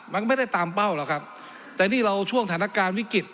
มันไม่ได้ตามเป้าหรอกครับแต่นี่เราช่วงสถานการณ์วิกฤต